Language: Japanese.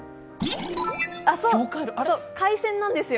海鮮なんですよ。